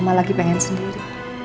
mama lagi pengen sendiri